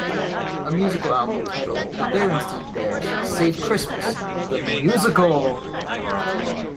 A musical album titled The Berenstain Bears Save Christmas: The Musical!